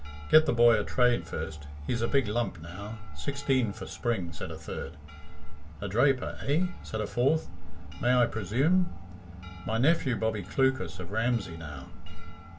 "Get the boy a trade first he's a big lump now, sixteen for spring," said a third. "A draper, eh?" said a fourth. "May I presume? My nephew, Bobbie Clucas, of Ramsey, now?"